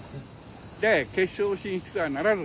で決勝進出はならず。